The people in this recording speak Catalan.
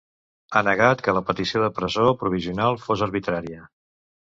Ha negat que la petició de presó provisional fos arbitrària.